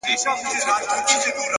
هوډ د نیمګړو لارو بشپړونکی دی،